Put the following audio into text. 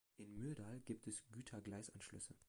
In Myrdal gibt es Gütergleisanschlüsse.